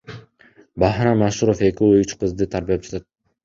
Бахрам Ашуров эки уул, үч кызды тарбиялап жатат.